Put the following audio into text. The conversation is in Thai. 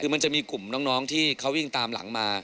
คือมันจะมีกลุ่มน้องที่เขาวิ่งตามหลังมา